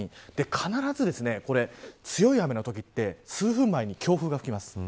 必ず黒い雨のときは数分前に強風が吹きます。